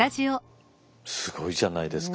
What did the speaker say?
すごいじゃないですか。